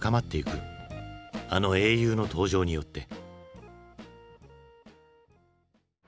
あの英雄の登場によって。